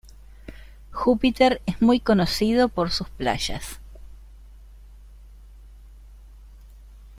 Júpiter es muy conocido por sus playas.